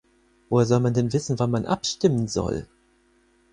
Woher soll man denn wissen, wann man abstimmen soll?